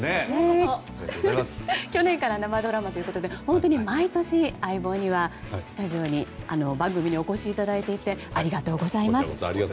去年から生ドラマということで本当に毎年「相棒」には番組にお越しいただいていてありがとうございます。